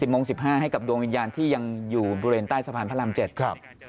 โมง๑๕ให้กับดวงวิญญาณที่ยังอยู่บริเวณใต้สะพานพระราม๗ครับ